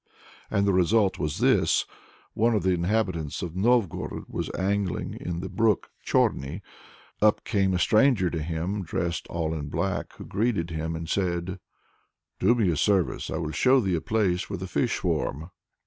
And the result was this. One of the inhabitants of Novgorod was angling in the brook Chorny. Up came a stranger to him, dressed all in black, who greeted him, and said: "Do me a service, and I will show thee a place where the fish swarm."